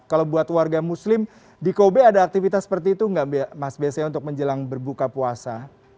kalau buat warga muslim di kobe ada aktivitas seperti itu nggak mas biasanya untuk menjelang berbuka puasa